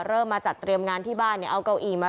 เริ่มมาจัดเตรียมงานที่บ้านเนี่ยเอาเก้าอี้มา